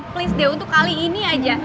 please deh untuk kali ini aja